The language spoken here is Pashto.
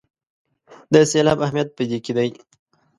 د سېلاب اهمیت په دې کې دی.